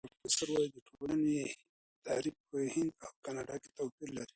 د کاناډا پروفیسور وايي، د ټولنې تعریف په هند او کاناډا توپیر لري.